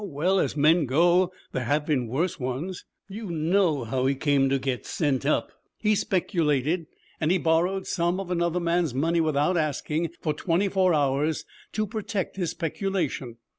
Oh, well, as men go, there have been worse ones. You know how he came to get sent up. He speculated, and he borrowed some of another man's money without asking, for twenty four hours, to protect his speculation.